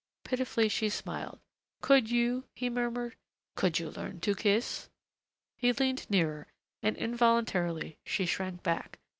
Pitifully she smiled. "Could you," he murmured, "could you learn to kiss?" He leaned nearer and involuntarily she shrank back.